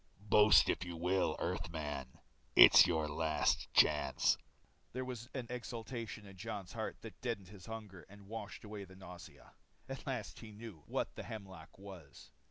"Boast if you will, Earthman, it's your last chance." There was an exultation in Jon's heart that deadened the hunger and washed away the nausea. At last he knew what the hemlock was.